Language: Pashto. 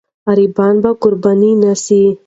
غریبان باید قرباني نه سي.